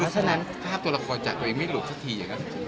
คือถ้าตัวละครจากตัวเองไม่หลุบสักทีอย่างนั้น